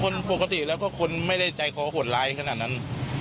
คนปกติแล้วก็คนไม่ได้ใจคอหดร้ายขนาดนั้น